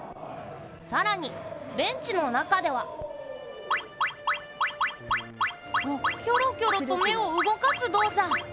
更にベンチの中ではキョロキョロと目を動かす動作。